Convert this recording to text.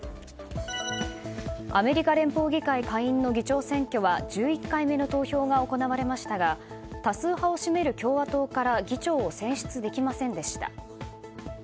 アメリカ連邦下院議会の議長選挙は１１回目の投票が行われましたが多数派を占める共和党から議長を選出できませんでした。